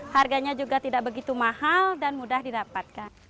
harganya juga tidak begitu mahal dan mudah didapatkan